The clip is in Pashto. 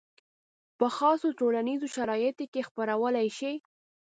په خاصو ټولنیزو شرایطو کې یې خپرولی شي.